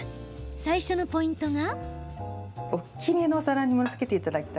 最初のポイントが。